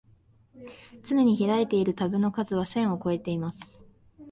つねに開いているタブの数は千をこえてます